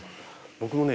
僕もね